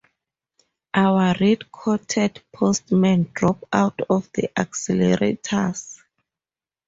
Our red-coated postmen drop out of the accelerators.